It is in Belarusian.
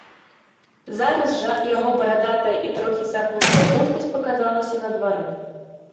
Зараз жа яго барадатая і трохі сагнутая постаць паказалася на двары.